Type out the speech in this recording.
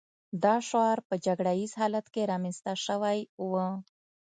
دا شعار په جګړه ییز حالت کې رامنځته شوی و